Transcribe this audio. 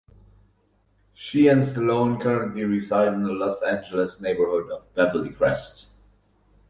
She and Stallone currently reside in the Los Angeles neighborhood of Beverly Crest.